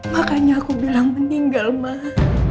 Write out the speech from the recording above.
makanya aku bilang meninggal mah